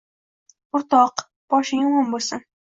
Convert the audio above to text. O`rtoq, boshing omon bo`lsin